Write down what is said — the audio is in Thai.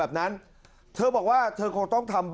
อาทิตย์๒๕อาทิตย์